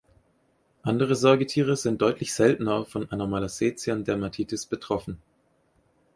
Andere Säugetiere sind deutlich seltener von einer Malassezien-Dermatitis betroffen.